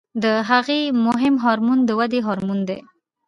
د هغې مهم هورمون د ودې هورمون دی.